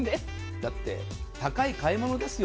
だって高い買い物ですよ。